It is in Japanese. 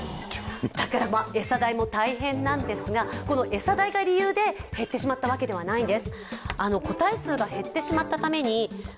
だから餌代も大変なんですが、餌代が理由で減ってしまったわけではないんです。